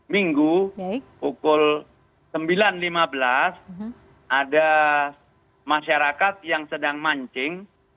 minggu pukul sembilan lima belas ada masyarakat yang sedang mancing